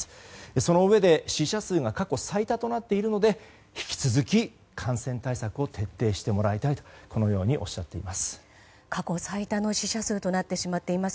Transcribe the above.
そのうえで、死者数が過去最多となっているので引き続き、感染対策を徹底してもらいたいとこのようにおっしゃっています。